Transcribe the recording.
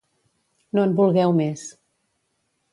No en vulgueu més.